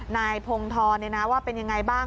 นายพงธรว่าเป็นยังไงบ้าง